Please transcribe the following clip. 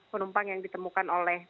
penumpang yang ditemukan oleh